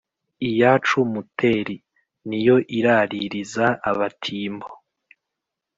Iyacu Muteri* ni yo iraririza Abatimbo.